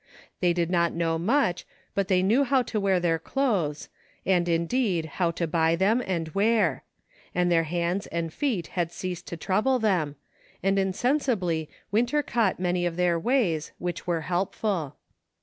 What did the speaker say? They did not know much, but they knew how to wear their clothes, and indeed, how to buy them and where ; and their hands and feet had ceased to trouble them, and insensibly Winter caught many of their ways, which were helpful.